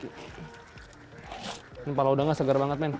ini kepala udangnya segar banget men